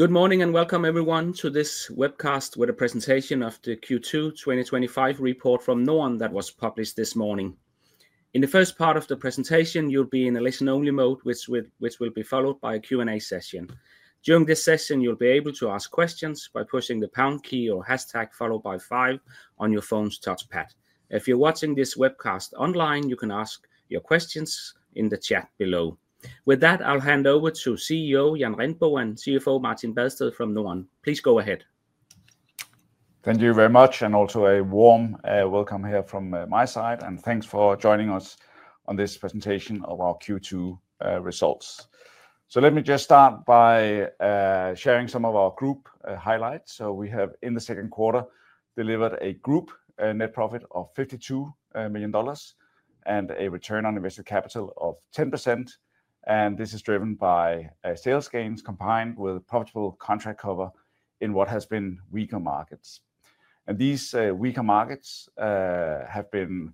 Good morning and welcome, everyone, to this webcast with a presentation of the Q2 2025 report from Norden that was published this morning. In the first part of the presentation, you'll be in a listen-only mode, which will be followed by a Q&A session. During this session, you'll be able to ask questions by pushing the pound key or hashtag followed by five on your phone's touchpad. If you're watching this webcast online, you can ask your questions in the chat below. With that, I'll hand over to CEO Jan Rindbo and CFO Martin Badsted from Norden. Please go ahead. Thank you very much, and also a warm welcome here from my side, and thanks for joining us on this presentation of our Q2 results. Let me just start by sharing some of our group highlights. We have, in the second quarter, delivered a group net profit of $52 million and a return on invested capital of 10%. This is driven by sales gains combined with profitable contract cover in what has been weaker markets. These weaker markets have been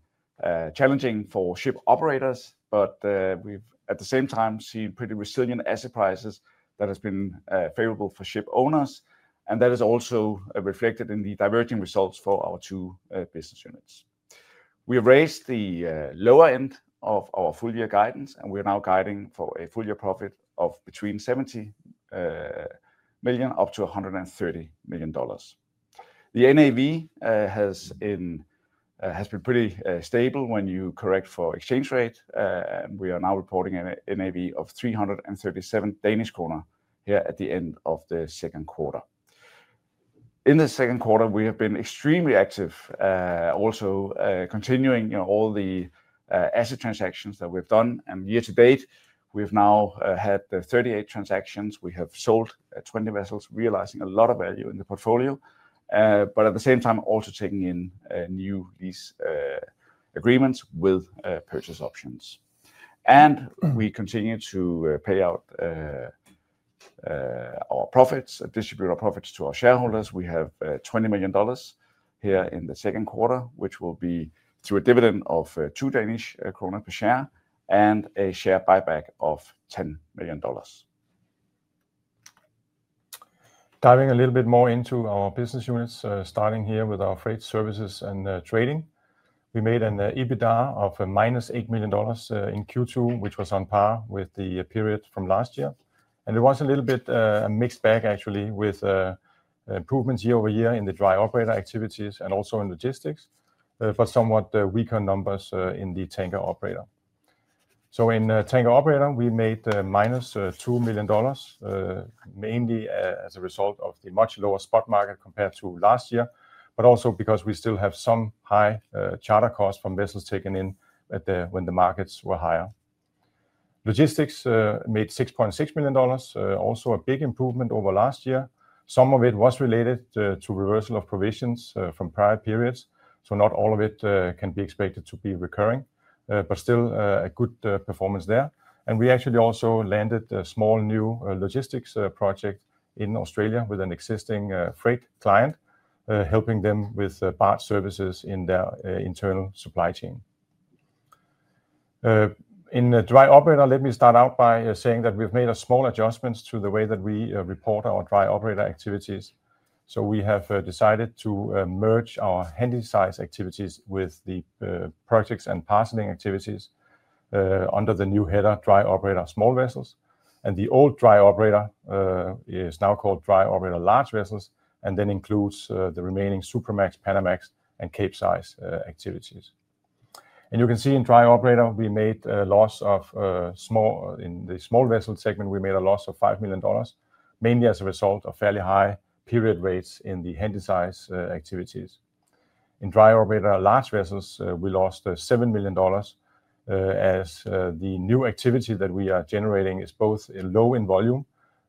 challenging for ship operators, but we've, at the same time, seen pretty resilient asset prices that have been favorable for ship owners. That is also reflected in the diverging results for our two business units. We have raised the lower end of our full-year guidance, and we are now guiding for a full-year profit of between $70 million- $130 million. The net asset value has been pretty stable when you correct for exchange rate, and we are now reporting a net asset value of 337 Danish kroner here at the end of the second quarter. In the second quarter, we have been extremely active, also continuing all the asset transactions that we've done. Year-to-date, we've now had 38 transactions. We have sold 20 vessels, realizing a lot of value in the portfolio, but at the same time, also taking in new lease agreements with purchase options. We continue to pay out our profits and distribute our profits to our shareholders. We have $20 million here in the second quarter, which will be through a dividend of 2 Danish kroner per share and a share buyback of $10 million. Diving a little bit more into our business units, starting here with our Freight Services & Trading. We made an EBITDA of -$8 million in Q2, which was on par with the period from last year. It was a little bit a mixed bag, actually, with improvements year-over-year in the Dry Operator activities and also in logistics for somewhat weaker numbers in the tanker operator. In the tanker operator, we made -$2 million, mainly as a result of the much lower spot market compared to last year, but also because we still have some high charter costs from vessels taken in when the markets were higher. Logistics made $6.6 million, also a big improvement over last year. Some of it was related to reversal of provisions from prior periods, so not all of it can be expected to be recurring, but still a good performance there. We actually also landed a small new logistics project in Australia with an existing freight client, helping them with barge services in their internal supply chain. In the Dry Operator segment, let me start out by saying that we've made small adjustments to the way that we report our Dry Operator activities. We have decided to merge our Handysize activities with the projects and parceling activities under the new header Dry Operator Small Vessels. The old Dry Operator is now called Dry Operator Large Vessels, and that includes the remaining Supramax, Panamax, and Capesize activities. You can see in Dry Operator, we made a loss in the small vessel segment, we made a loss of $5 million, mainly as a result of fairly high period rates in the Handysize activities. In Dry Operator Large Vessels, we lost $7 million as the new activity that we are generating is both low in volume,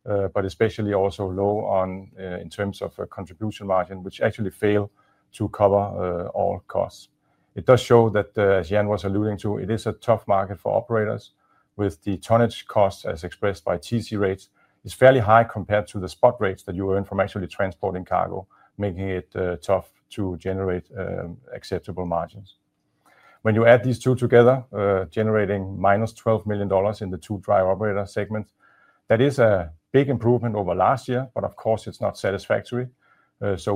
but especially also low in terms of contribution margin, which actually failed to cover all costs. It does show that, as Jan was alluding to, it is a tough market for operators, with the tonnage costs, as expressed by TC rates, being fairly high compared to the spot rates that you earn from actually transporting cargo, making it tough to generate acceptable margins. When you add these two together, generating -$12 million in the two Dry Operator segments, that is a big improvement over last year, but of course, it's not satisfactory.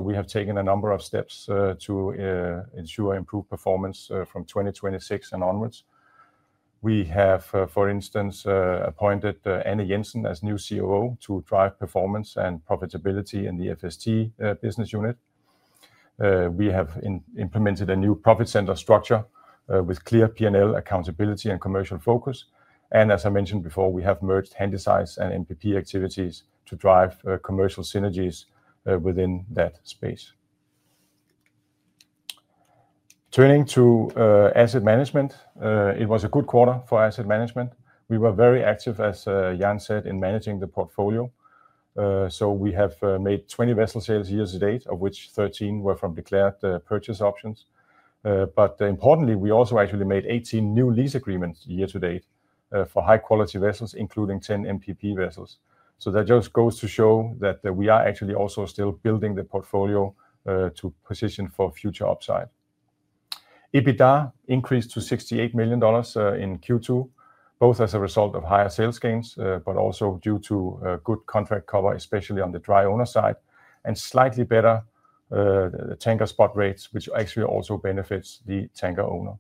We have taken a number of steps to ensure improved performance from 2026 and onwards. For instance, we have appointed Anne Jensen as new COO to drive performance and profitability in the FST business unit. We have implemented a new profit center structure with clear P&L accountability and commercial focus. As I mentioned before, we have merged Handysize and NPP activities to drive commercial synergies within that space. Turning to Asset Management, it was a good quarter for Asset Management. We were very active, as Jan said, in managing the portfolio. We have made 20 vessel sales year-to-date, of which 13 were from declared purchase options. Importantly, we also actually made 18 new lease agreements year-to-date for high-quality vessels, including 10 NPP vessels. That just goes to show that we are actually also still building the portfolio to position for future upside. EBITDA increased to $68 million in Q2, both as a result of higher sales gains, but also due to good contract cover, especially on the dry owner side, and slightly better tanker spot rates, which actually also benefits the tanker owner.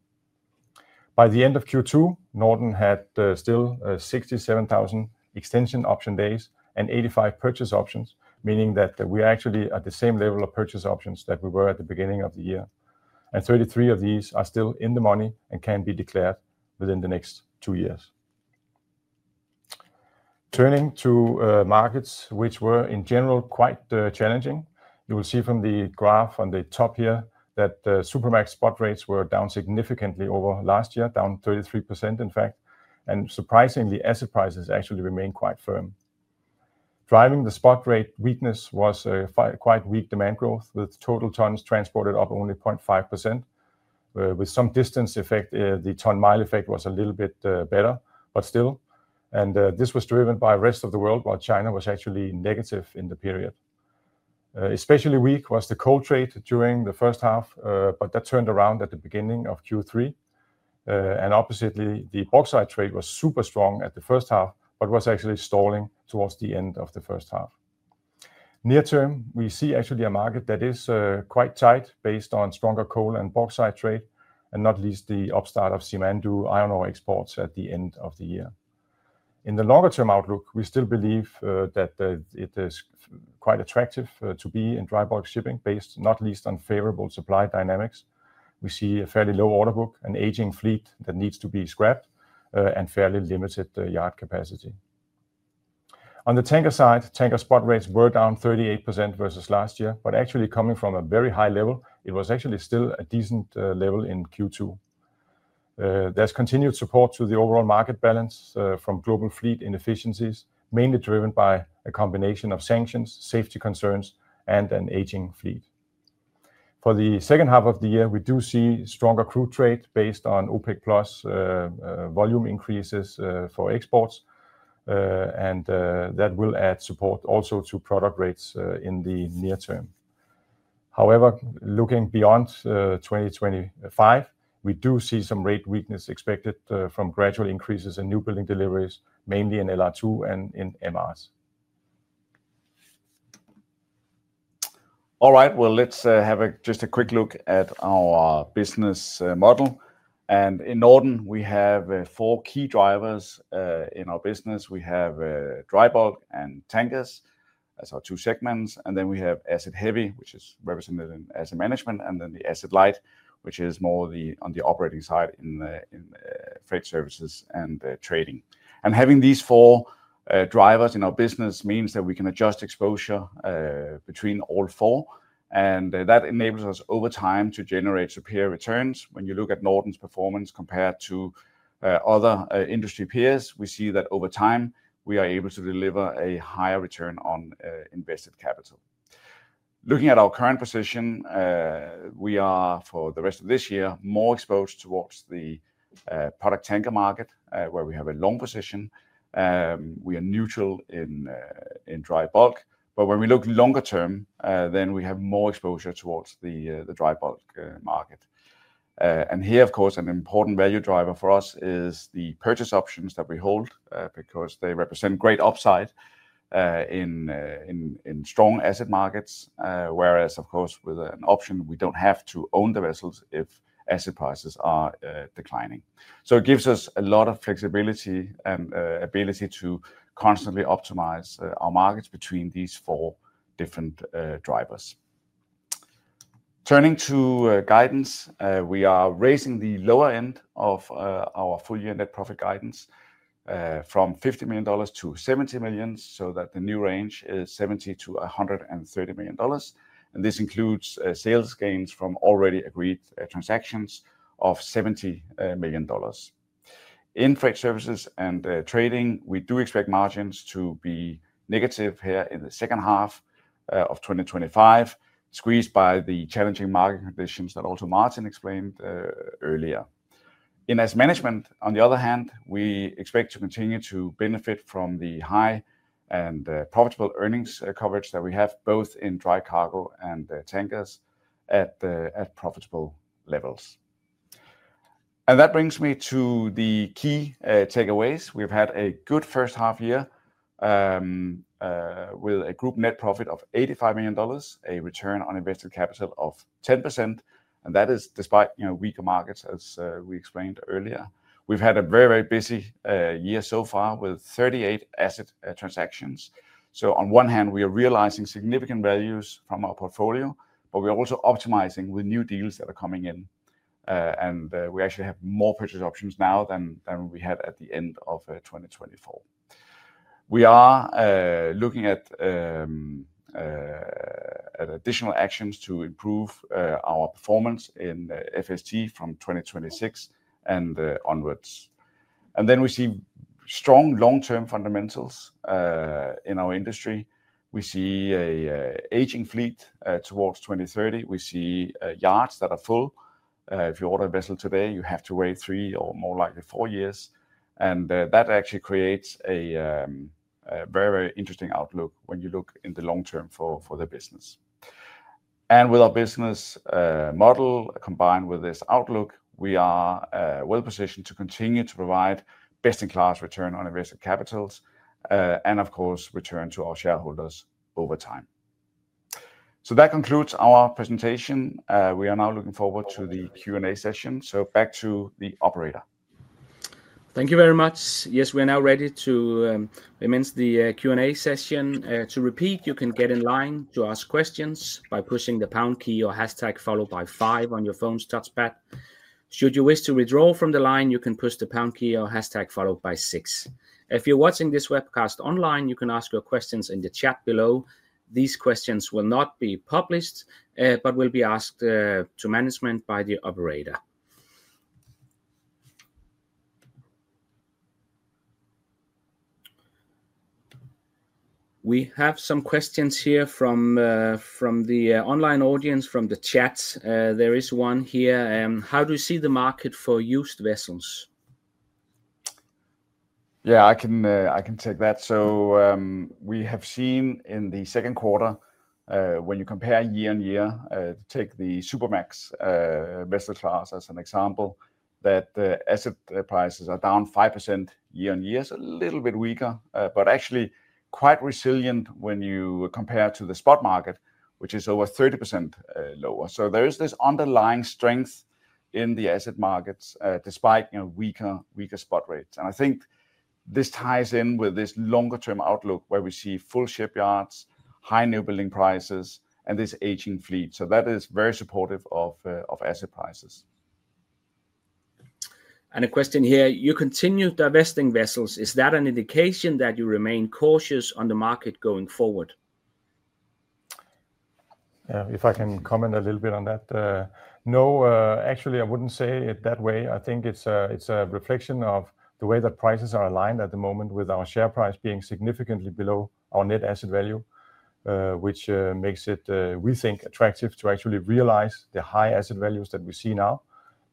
By the end of Q2, Norden had still 67,000 extension option days and 85 purchase options, meaning that we are actually at the same level of purchase options that we were at the beginning of the year. 33 of these are still in the money and can be declared within the next two years. Turning to markets, which were in general quite challenging, you will see from the graph on the top here that the Supramax spot rates were down significantly over last year, down 33%, in fact. Surprisingly, asset prices actually remained quite firm. Driving the spot rate weakness was quite weak demand growth, with total tons transported up only 0.5%. With some distance effect, the ton mile effect was a little bit better, but still. This was driven by the rest of the world, while China was actually negative in the period. Especially weak was the coal trade during the first half, but that turned around at the beginning of Q3. Oppositely, the bauxite trade was super strong at the first half, but was actually stalling towards the end of the first half. Near term, we see actually a market that is quite tight based on stronger coal and bauxite trade, and not least the upstart of Simandou iron ore exports at the end of the year. In the longer term outlook, we still believe that it is quite attractive to be in dry bulk shipping, based not least on favorable supply dynamics. We see a fairly low order book, an aging fleet that needs to be scrapped, and fairly limited yard capacity. On the tanker side, tanker spot rates were down 38% versus last year, but actually coming from a very high level, it was actually still a decent level in Q2. There is continued support to the overall market balance from global fleet inefficiencies, mainly driven by a combination of sanctions, safety concerns, and an aging fleet. For the second half of the year, we do see stronger crude trade based on OPEC+ volume increases for exports, and that will add support also to product rates in the near term. However, looking beyond 2025, we do see some rate weakness expected from gradual increases in new building deliveries, mainly in LR2 and in MRs. Let's have just a quick look at our business model. In Norden, we have four key drivers in our business. We have dry bulk and tankers as our two segments, and then we have asset-heavy, which is represented in Asset Management, and then the asset-light, which is more on the operating side in Freight Services & Trading. Having these four drivers in our business means that we can adjust exposure between all four, and that enables us over time to generate superior returns. When you look at Norden's performance compared to other industry peers, we see that over time, we are able to deliver a higher return on invested capital. Looking at our current position, we are, for the rest of this year, more exposed towards the product tanker market, where we have a long position. We are neutral in dry bulk, but when we look longer term, we have more exposure towards the dry bulk market. An important value driver for us is the purchase options that we hold because they represent great upside in strong asset markets, whereas, with an option, we do not have to own the vessels if asset prices are declining. It gives us a lot of flexibility and ability to constantly optimize our markets between these four different drivers. Turning to guidance, we are raising the lower end of our full-year net profit guidance from $50 million-$70 million, so that the new range is $70 million-$130 million. This includes sales gains from already agreed transactions of $70 million. In Freight Services & Trading, we do expect margins to be negative here in the second half of 2025, squeezed by the challenging market conditions that also Martin explained earlier. In Asset Management, on the other hand, we expect to continue to benefit from the high and profitable earnings coverage that we have both in dry cargo and tankers at profitable levels. That brings me to the key takeaways. We've had a good first half year with a group net profit of $85 million, a return on invested capital of 10%, and that is despite weaker markets, as we explained earlier. We've had a very, very busy year so far with 38 asset transactions. On one hand, we are realizing significant values from our portfolio, but we're also optimizing with new deals that are coming in. We actually have more purchase options now than we had at the end of 2024. We are looking at additional actions to improve our performance in FST from 2026 and onwards. We see strong long-term fundamentals in our industry. We see an aging fleet towards 2030. We see yards that are full. If you order a vessel today, you have to wait three or more likely four years. That actually creates a very, very interesting outlook when you look in the long-term for the business. With our business model combined with this outlook, we are well positioned to continue to provide best-in-class return on invested capital and, of course, return to our shareholders over time. That concludes our presentation. We are now looking forward to the Q&A session. Back to the operator. Thank you very much. Yes, we are now ready to commence the Q&A session. To repeat, you can get in line to ask questions by pushing the pound key or hashtag followed by five on your phone's touchpad. Should you wish to withdraw from the line, you can push the pound key or hashtag followed by six. If you're watching this webcast online, you can ask your questions in the chat below. These questions will not be published, but will be asked to management by the operator. We have some questions here from the online audience from the chat. There is one here. How do you see the market for used vessels? I can take that. We have seen in the second quarter, when you compare year-on-year, take the Supramax vessel class as an example, that asset prices are down 5% year-on-year. It's a little bit weaker, but actually quite resilient when you compare to the spot market, which is over 30% lower. There is this underlying strength in the asset markets despite weaker spot rates. I think this ties in with this longer-term outlook where we see full shipyards, high newbuilding prices, and this aging fleet. That is very supportive of asset prices. You continue divesting vessels. Is that an indication that you remain cautious on the market going forward? If I can comment a little bit on that. No, actually, I wouldn't say it that way. I think it's a reflection of the way that prices are aligned at the moment with our share price being significantly below our net asset value, which makes it, we think, attractive to actually realize the high asset values that we see now,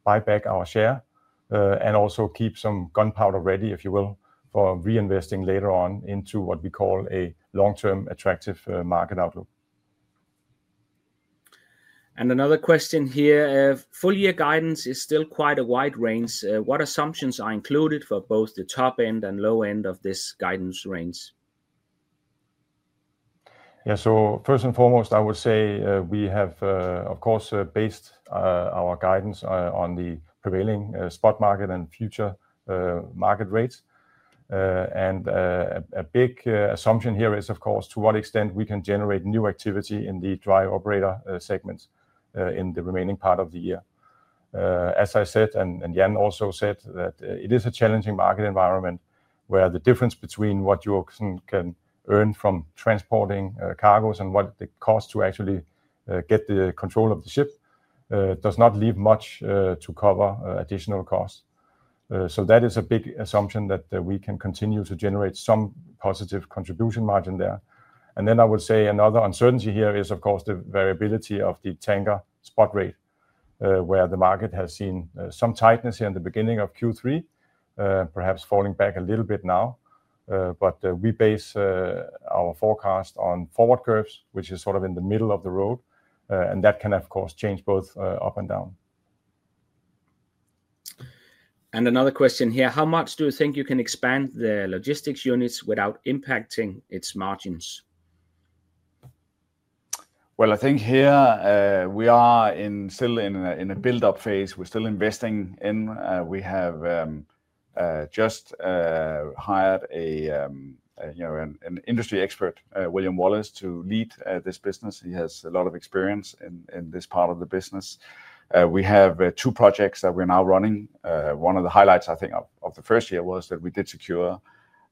buy back our share, and also keep some gunpowder ready, if you will, for reinvesting later on into what we call a long-term attractive market outlook. Another question here. Full-year guidance is still quite a wide range. What assumptions are included for both the top end and low end of this guidance range? Yeah, so first and foremost, I would say we have, of course, based our guidance on the prevailing spot market and future market rates. A big assumption here is, of course, to what extent we can generate new activity in the Dry Operator segment in the remaining part of the year. As I said, and Jan also said, it is a challenging market environment where the difference between what you can earn from transporting cargoes and what it costs to actually get the control of the ship does not leave much to cover additional costs. That is a big assumption that we can continue to generate some positive contribution margin there. I would say another uncertainty here is, of course, the variability of the tanker spot rate, where the market has seen some tightness here in the beginning of Q3, perhaps falling back a little bit now. We base our forecast on forward curves, which is sort of in the middle of the road, and that can, of course, change both up and down. How much do you think you can expand the logistics units without impacting its margins? I think here we are still in a build-up phase. We're still investing in. We have just hired an industry expert, William Wallace, to lead this business. He has a lot of experience in this part of the business. We have two projects that we're now running. One of the highlights, I think, of the first year was that we did secure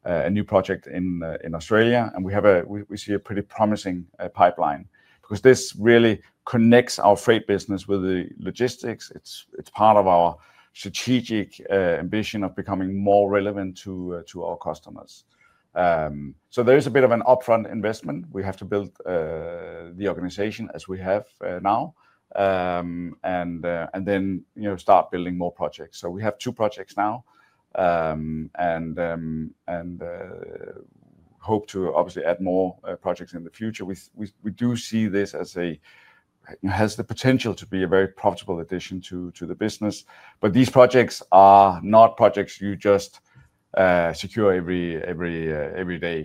a new project in Australia, and we see a pretty promising pipeline because this really connects our freight business with the logistics. It's part of our strategic ambition of becoming more relevant to our customers. There is a bit of an upfront investment. We have to build the organization as we have now and then start building more projects. We have two projects now and hope to obviously add more projects in the future. We do see this as a potential to be a very profitable addition to the business. These projects are not projects you just secure every day.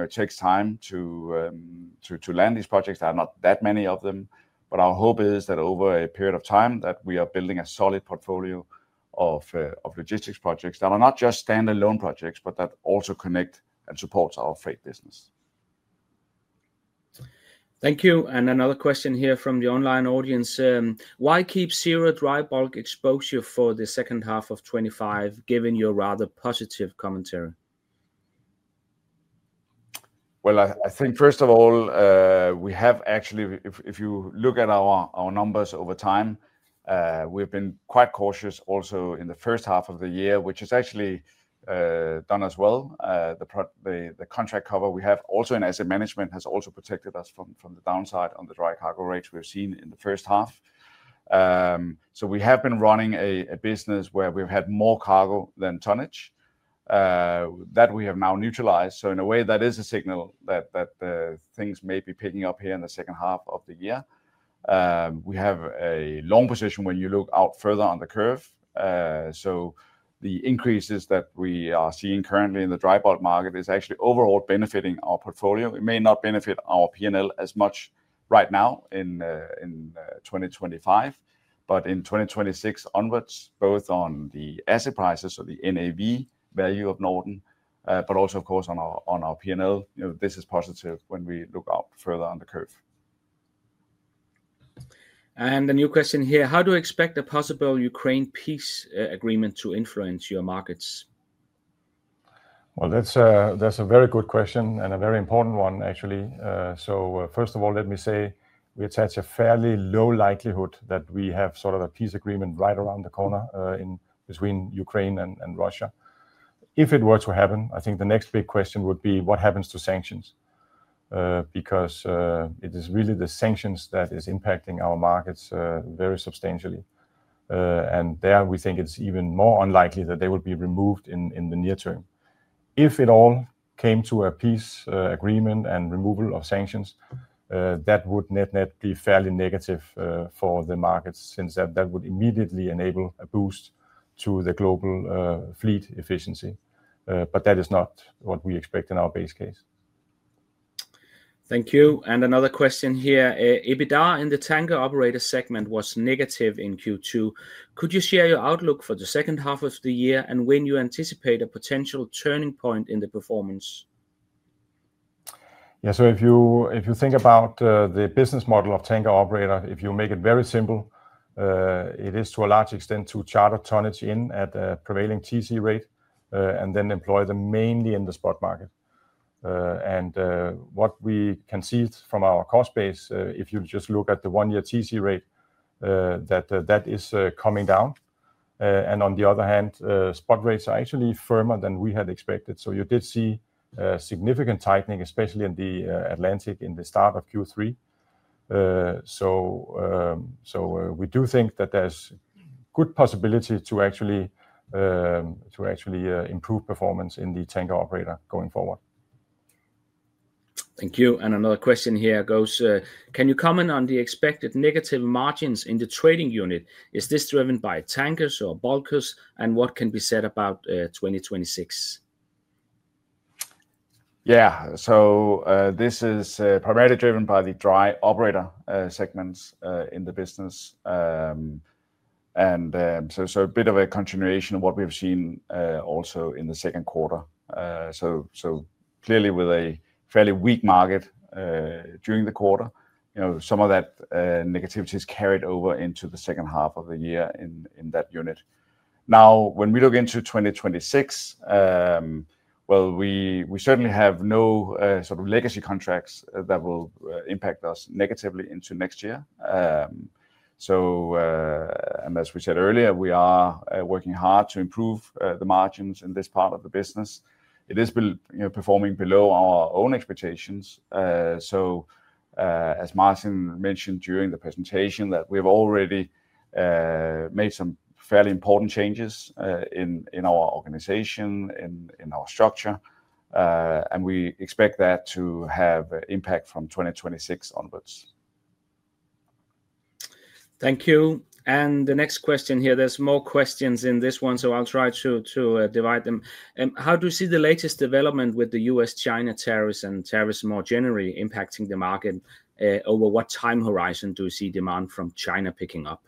It takes time to land these projects. There are not that many of them. Our hope is that over a period of time, we are building a solid portfolio of logistics projects that are not just standalone projects, but that also connect and support our freight business. Thank you. Another question here from the online audience. Why keep zero dry bulk exposure for the second half of 2025, given your rather positive commentary? I think first of all, if you look at our numbers over time, we've been quite cautious also in the first half of the year, which has actually done us well. The contract cover we have also in Asset Management has also protected us from the downside on the dry cargo rates we've seen in the first half. We have been running a business where we've had more cargo than tonnage. That we have now neutralized. In a way, that is a signal that things may be picking up here in the second half of the year. We have a long position when you look out further on the curve. The increases that we are seeing currently in the dry bulk market are actually overall benefiting our portfolio. It may not benefit our P&L as much right now in 2025, but in 2026 onwards, both on the asset prices, so the net asset value of Norden, but also, of course, on our P&L, this is positive when we look out further on the curve. How do you expect a possible Ukraine peace agreement to influence your markets? That's a very good question and a very important one, actually. First of all, let me say it's at a fairly low likelihood that we have sort of a peace agreement right around the corner between Ukraine and Russia. If it were to happen, I think the next big question would be what happens to sanctions because it is really the sanctions that are impacting our markets very substantially. We think it's even more unlikely that they would be removed in the near-term. If it all came to a peace agreement and removal of sanctions, that would net-net be fairly negative for the markets since that would immediately enable a boost to the global fleet efficiency. That is not what we expect in our base case. Thank you. Another question here. EBITDA in the tanker operator segment was negative in Q2. Could you share your outlook for the second half of the year and when you anticipate a potential turning point in the performance? If you think about the business model of tanker operator, if you make it very simple, it is to a large extent to charter tonnage in at a prevailing TC rate and then employ them mainly in the spot market. What we can see from our cost base, if you just look at the one-year TC rate, that is coming down. On the other hand, spot rates are actually firmer than we had expected. You did see significant tightening, especially in the Atlantic in the start of Q3. We do think that there's good possibilities to actually improve performance in the tanker operator going forward. Thank you. Another question here goes, can you comment on the expected negative margins in the trading unit? Is this driven by tankers or bulkers, and what can be said about 2026? Yeah, so this is primarily driven by the Dry Operator segment in the business. It's a bit of a continuation of what we've seen also in the second quarter. Clearly, with a fairly weak market during the quarter, some of that negativity is carried over into the second half of the year in that unit. When we look into 2026, we certainly have no sort of legacy contracts that will impact us negatively into next year. As we said earlier, we are working hard to improve the margins in this part of the business. It is performing below our own expectations. As Martin mentioned during the presentation, we have already made some fairly important changes in our organization and in our structure. We expect that to have an impact from 2026 onwards. Thank you. The next question here, there's more questions in this one, so I'll try to divide them. How do you see the latest development with the U.S.-China tariffs and tariffs more generally impacting the market? Over what time horizon do you see demand from China picking up?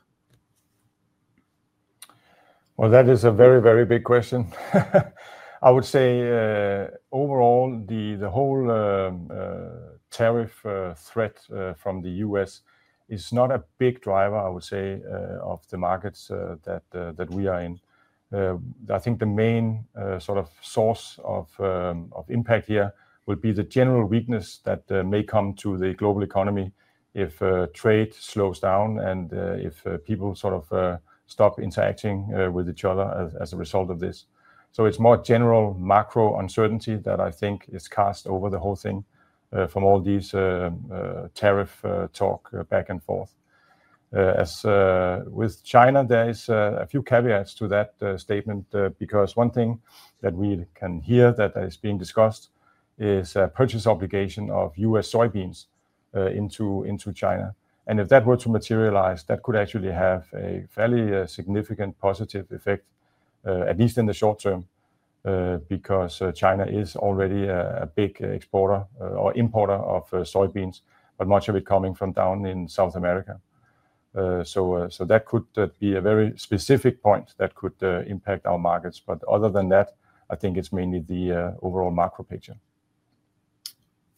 That is a very, very big question. I would say overall, the whole tariff threat from the U.S. is not a big driver, I would say, of the markets that we are in. I think the main sort of source of impact here will be the general weakness that may come to the global economy if trade slows down and if people sort of stop interacting with each other as a result of this. It's more general macro uncertainty that I think is cast over the whole thing from all this tariff talk back and forth. As with China, there are a few caveats to that statement because one thing that we can hear that is being discussed is a purchase obligation of U.S. soybeans into China. If that were to materialize, that could actually have a fairly significant positive effect, at least in the short-term, because China is already a big exporter or importer of soybeans, but much of it coming from down in South America. That could be a very specific point that could impact our markets. Other than that, I think it's mainly the overall macro picture.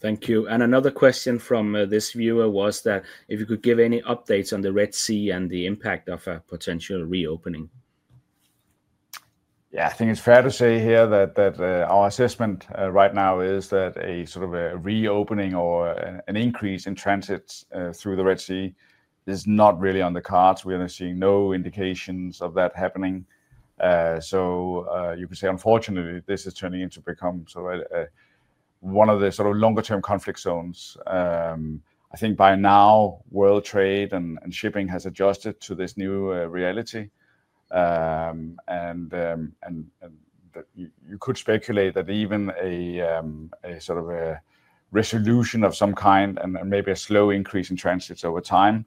Thank you. Another question from this viewer was if you could give any updates on the Red Sea and the impact of a potential reopening. Yeah, I think it's fair to say here that our assessment right now is that a sort of reopening or an increase in transit through the Red Sea is not really on the cards. We are seeing no indications of that happening. Unfortunately, this is turning into become sort of one of the longer-term conflict zones. I think by now, world trade and shipping has adjusted to this new reality. You could speculate that even a resolution of some kind and maybe a slow increase in transits over time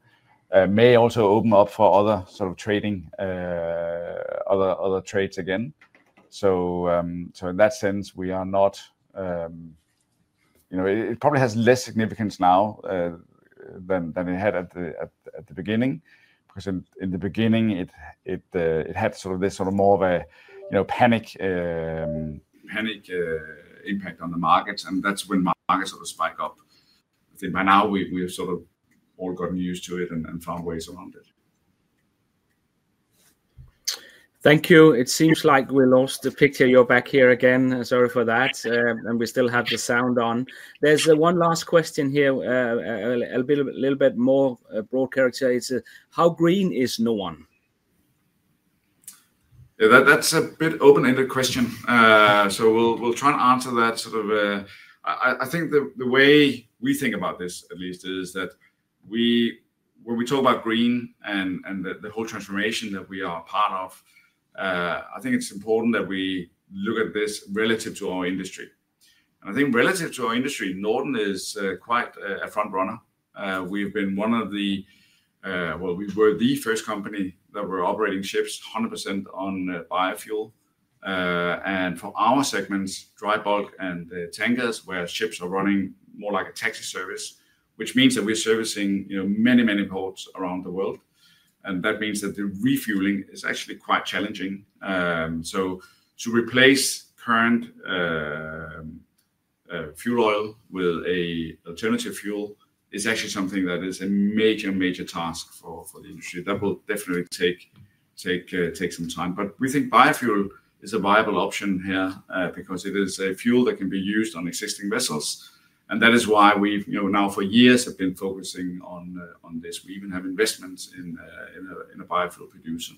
may also open up for other trading, other trades again. In that sense, it probably has less significance now than it had at the beginning. In the beginning, it had more of a panic impact on the markets, and that's when markets spike up. I think by now, we've all gotten used to it and found ways around it. Thank you. It seems like we lost the picture. You're back here again. Sorry for that. We still have the sound on. There's one last question here, a little bit more broad characteristics. How green is Norden? That's a bit open-ended question. We'll try and answer that sort of, I think the way we think about this, at least, is that when we talk about green and the whole transformation that we are part of, I think it's important that we look at this relative to our industry. I think relative to our industry, Norden is quite a front runner. We've been one of the, well, we were the first company that were operating ships 100% on biofuel. For our segments, dry bulk and tankers, where ships are running more like a taxi service, which means that we're servicing many, many ports around the world, that means that the refueling is actually quite challenging. To replace current fuel oil with an alternative fuel is actually something that is a major, major task for the industry. That will definitely take some time. We think biofuel is a viable option here because it is a fuel that can be used on existing vessels. That is why we now for years have been focusing on this. We even have investments in a biofuel producer.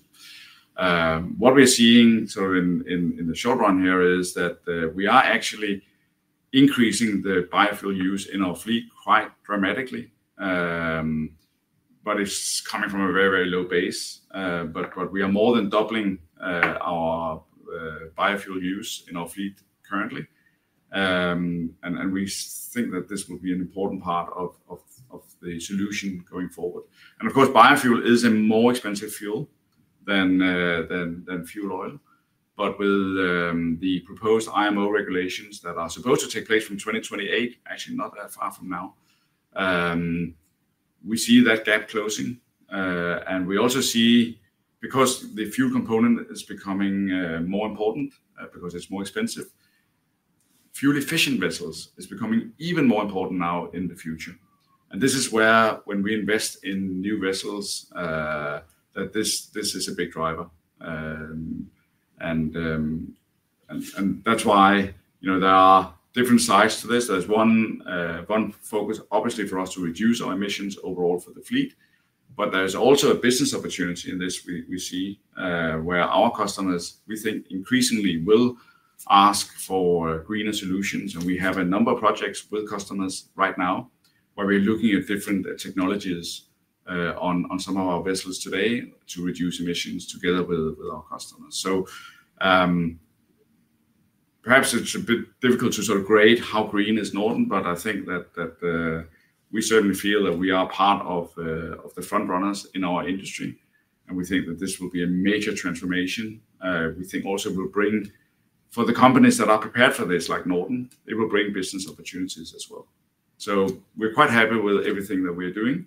What we're seeing sort of in the short-run here is that we are actually increasing the biofuel use in our fleet quite dramatically. It's coming from a very, very low base. We are more than doubling our biofuel use in our fleet currently. We think that this will be an important part of the solution going forward. Of course, biofuel is a more expensive fuel than fuel oil. With the proposed IMO regulations that are supposed to take place from 2028, actually not that far from now, we see that gap closing. We also see, because the fuel component is becoming more important because it's more expensive, fuel-efficient vessels are becoming even more important now in the future. This is where, when we invest in new vessels, that this is a big driver. That's why there are different sides to this. There's one focus, obviously, for us to reduce our emissions overall for the fleet. There's also a business opportunity in this. We see where our customers, we think, increasingly will ask for greener solutions. We have a number of projects with customers right now where we're looking at different technologies on some of our vessels today to reduce emissions together with our customers. Perhaps it's a bit difficult to sort of grade how green is Norden, but I think that we certainly feel that we are part of the front runners in our industry. We think that this will be a major transformation. We think also it will bring, for the companies that are prepared for this, like Norden, it will bring business opportunities as well. We're quite happy with everything that we're doing.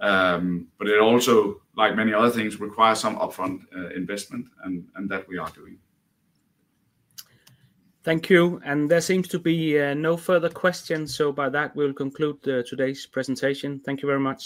It also, like many other things, requires some upfront investment, and that we are doing. Thank you. There seems to be no further questions. By that, we'll conclude today's presentation. Thank you very much.